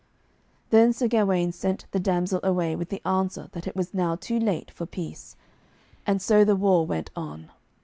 Then Sir Gawaine sent the damsel away with the answer that it was now too late for peace. And so the war went on.